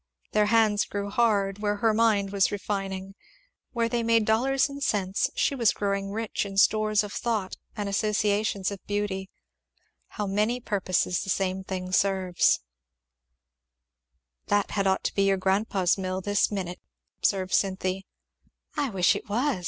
Their hands grew hard where her mind was refining. Where they made dollars and cents, she was growing rich in stores of thought and associations of beauty. How many purposes the same thing serves! [Illustration: "Who's got it now, Cynthy?"] "That had ought to be your grandpa's mill this minute," observed Cynthy. "I wish it was!"